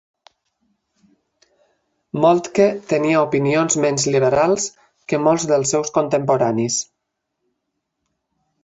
Moltke tenia opinions menys liberals que molts dels seus contemporanis.